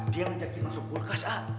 dia ngajakin masuk kulkas ah